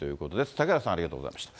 嵩原さん、ありがとうございました。